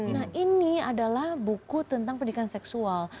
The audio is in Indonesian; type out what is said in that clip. nah ini adalah buku tentang pendidikan seksual